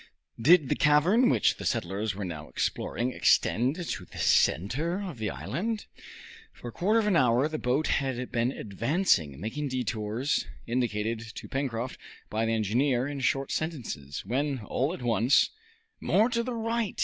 Did the cavern which the settlers were now exploring extend to the center of the island? For a quarter of an hour the boat had been advancing, making detours, indicated to Pencroft by the engineer in short sentences, when all at once, "More to the right!"